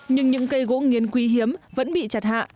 nhưng những cây gỗ nghiến quý hiếm vẫn bị chặt hạ